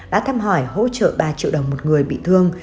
đã thăm hỏi hỗ trợ ba triệu đồng một người bị thương